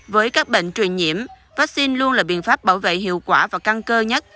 với các bệnh truyền nhiễm vaccine luôn là biện pháp bảo vệ hiệu quả và căng cơ nhất